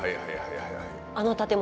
あの建物。